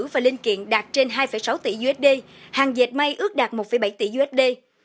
và linh kiện đạt trên hai sáu tỷ usd hàng dệt may ước đạt một bảy tỷ usd